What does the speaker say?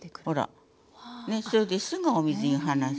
ねそれですぐお水に放す。